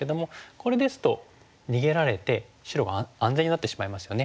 これですと逃げられて白が安全になってしまいますよね。